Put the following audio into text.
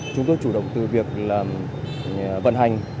chúng tôi chủ động từ việc vận hành